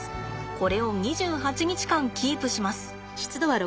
これを２８日間キープします。